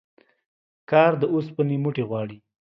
کار د اوسپني موټي غواړي